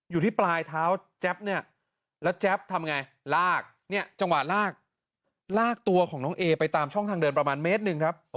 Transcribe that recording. อยู่ที่ปลายเท้าแจ๊บเนี่ยแล้วแจ๊บทำไงลากเนี่ยจังหวะลากลากตัวของน้องเอไปตามช่องทางเดินประมาณเมตรหนึ่งครับ